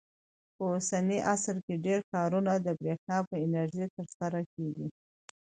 په اوسني عصر کې ډېر کارونه د برېښنا په انرژۍ ترسره کېږي.